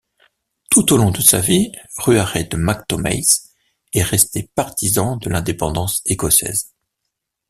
Tout au long de sa vie, Ruaraidh MacThòmais est resté partisan de l'indépendance écossaise.